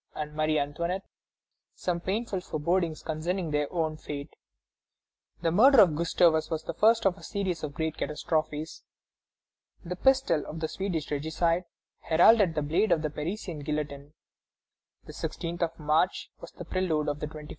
and Marie Antoinette some painful forebodings concerning their own fate. The murder of Gustavus was the first of a series of great catastrophes. The pistol of the Swedish regicide heralded the blade of the Parisian guillotine. The 16th of March was the prelude of the 21st of January.